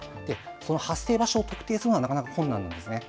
その発生場所を特定するのはなかなか困難なんです。